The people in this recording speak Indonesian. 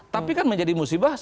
tapi kan menjadi musibah